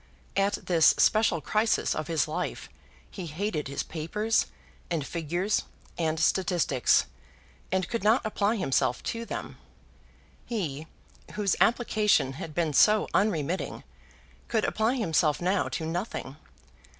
At this special crisis of his life he hated his papers and figures and statistics, and could not apply himself to them. He, whose application had been so unremitting, could apply himself now to nothing.